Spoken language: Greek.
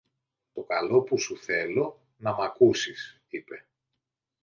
Το καλό που σου θέλω να μ' ακούσεις, είπε.